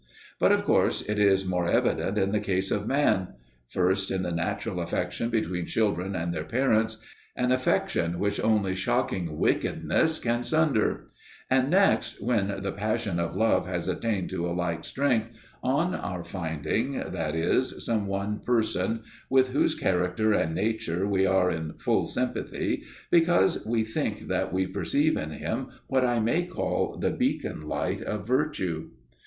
But of course it is more evident in the case of man: first, in the natural affection between children and their parents, an affection which only shocking wickedness can sunder; and next, when the passion of love has attained to a like strength on our finding, that is, some one person with whose character and nature we are in full sympathy, because we think that we perceive in him what I may call the beacon light of virtue.